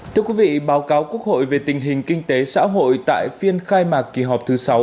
thưa quý vị báo cáo quốc hội về tình hình kinh tế xã hội tại phiên khai mạc kỳ họp thứ sáu